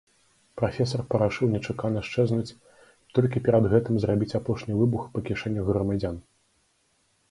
Прафесар парашыў нечакана счэзнуць, толькі перад гэтым зрабіць апошні выбух па кішэнях грамадзян.